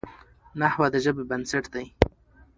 نحوه د ژبي بنسټ دئ.